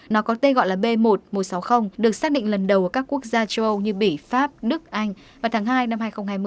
nó có tên gọi là b một nghìn một trăm sáu mươi được xác định lần đầu ở các quốc gia châu âu như bỉ pháp đức anh vào tháng hai năm hai nghìn hai mươi